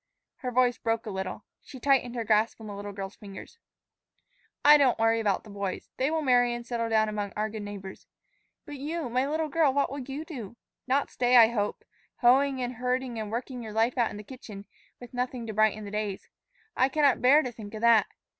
Her voice broke a little. She tightened her grasp of the little girl's fingers. "I do not worry about the boys. They will marry and settle down among our good neighbors. But you, my little girl, what will you do? Not stay, I hope, hoeing and herding and working your life out in the kitchen, with nothing to brighten the days. I cannot bear to think of that.